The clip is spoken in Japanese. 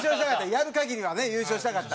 やる限りはね優勝したかった。